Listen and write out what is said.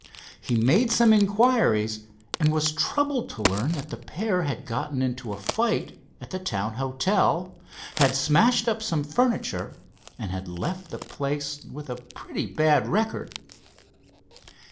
He made some inquiries, and was troubled to learn that the pair had gotten into a fight at the town hotel, had smashed up some furniture, and had left the place with a pretty bad record.